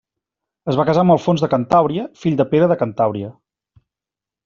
Es va casar amb Alfons de Cantàbria, fill de Pere de Cantàbria.